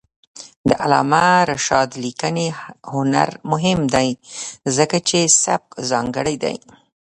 د علامه رشاد لیکنی هنر مهم دی ځکه چې سبک ځانګړی دی.